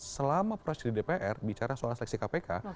selama proses di dpr bicara soal seleksi kpk